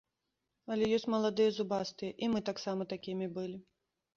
Але ёсць маладыя зубастыя, і мы таксама такімі былі.